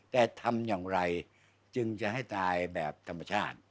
แต่ทำอย่างไรจึงจะให้ตายแบบธรรมชาติ